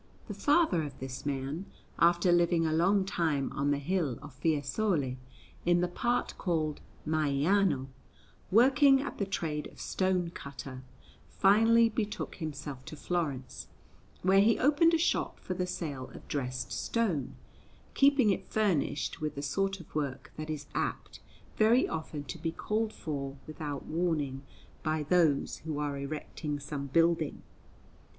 The father of this man, after living a long time on the hill of Fiesole, in the part called Maiano, working at the trade of stone cutter, finally betook himself to Florence, where he opened a shop for the sale of dressed stone, keeping it furnished with the sort of work that is apt very often to be called for without warning by those who are erecting some building.